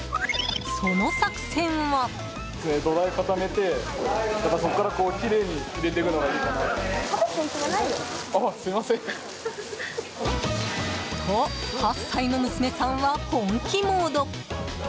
その作戦は。と、８歳の娘さんは本気モード！